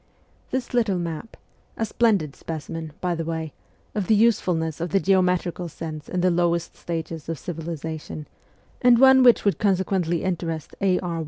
This little map a splendid specimen, by the way, of the usefulness of the geometrical sense in the lowest stages of civilization, and one which would con sequently interest A. E.